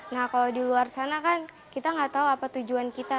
nah kalau di luar sana kan kita nggak tahu apa tujuan kita